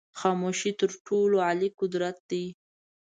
خاموشی تر ټولو عالي قدرت دی.